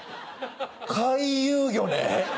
「回遊魚」ね！